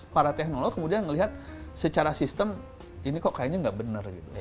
para teknolog kemudian melihat secara sistem ini kok kayaknya nggak benar gitu